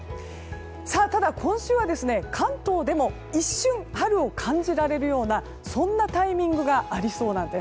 ただ、今週は関東でも一瞬、春を感じられるようなそんなタイミングがありそうなんです。